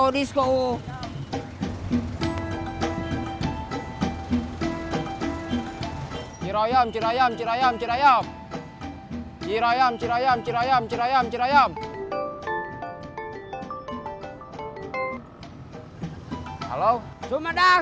sumedang sumedang sumedang